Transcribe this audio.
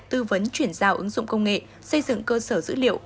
tư vấn chuyển giao ứng dụng công nghệ xây dựng cơ sở dữ liệu